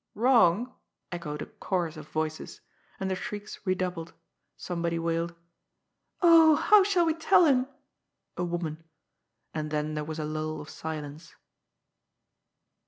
"Wrong?" echoed a chorus of voices; and the shrieks redoubled. Somebody wailed: "Oh, how shall we tell him !"— a woman. And then there was a lull of silence.